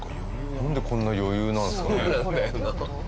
なんでこんな余裕なんですかね？